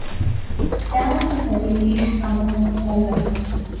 The dance is a variation on a conga line.